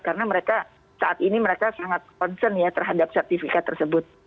karena mereka saat ini mereka sangat concern ya terhadap sertifikat tersebut